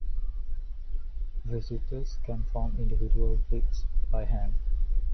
Visitors can form individual bricks by hand.